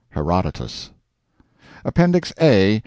HERODOTUS APPENDIX A.